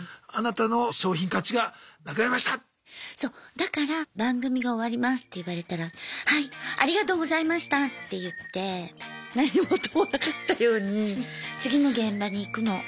だから番組が終わりますって言われたら「はいありがとうございました！」って言って何事もなかったように次の現場に行くの。